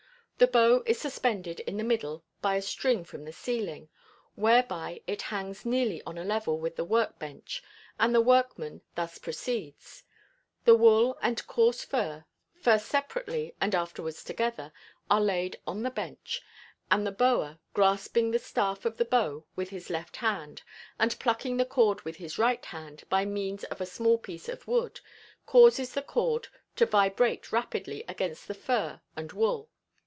The bow is suspended in the middle by a string from the ceiling, whereby it hangs nearly on a level with the work bench, and the workman thus proceeds: The wool and coarse fur, first separately and afterwards together, are laid on the bench, and the bower, grasping the staff of the bow with his left hand and plucking the cord with his right hand by means of a small piece of wood, causes the cord to vibrate rapidly against the fur and wool.